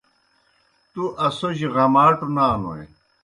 تُوْ اسوجیْ غماٹوْ نانوئے۔